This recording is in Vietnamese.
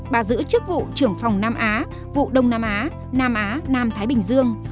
bà giữ chức vụ trưởng phòng nam á vụ đông nam á nam á nam thái bình dương